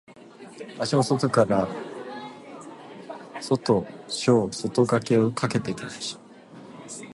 足も外から小外掛けをかけてきました。